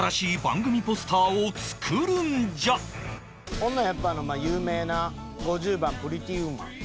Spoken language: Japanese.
ほんならやっぱ有名な５０番『プリティ・ウーマン』。